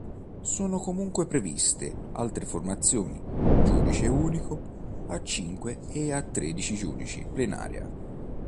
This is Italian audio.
Sono comunque previste altre formazioni: giudice unico, a cinque e a tredici giudici, plenaria.